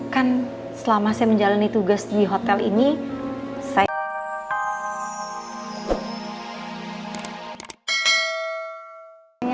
kan selama saya menjalani tugas di hotel ini